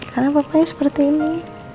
karena papanya seperti ini